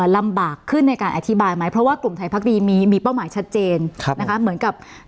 ลำบากขึ้นในการอธิบายไหมเพราะว่ากลุ่มไทยพักดีมีเป้าหมายชัดเจนนะคะเหมือนกับ